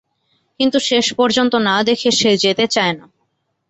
কিন্তু শেষ পর্যন্ত না দেখে সে যেতে চায় না।